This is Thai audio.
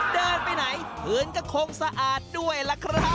เดินไปไหนพื้นก็คงสะอาดด้วยล่ะครับ